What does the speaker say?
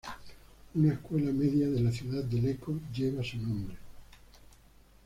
Una escuela media de la ciudad de Lecco lleva su nombre.